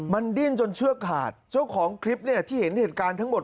มันดิ้นจนเชือกขาดเจ้าของคลิปเนี่ยที่เห็นเหตุการณ์ทั้งหมด